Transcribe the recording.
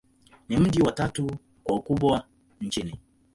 Ni mji wa tatu kwa ukubwa nchini.